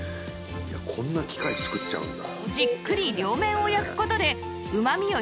「いやこんな機械作っちゃうんだ」